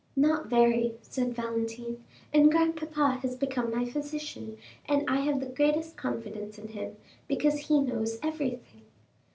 "Not very," said Valentine. "And grandpapa has become my physician, and I have the greatest confidence in him, because he knows everything."